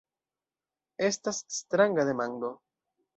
Estas stranga demando.